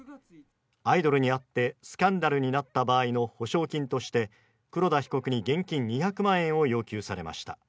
アイドルに会ってスキャンダルになった場合の保証金として黒田被告に現金２００万円を要求されました。